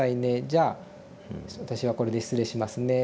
じゃあ私はこれで失礼しますね」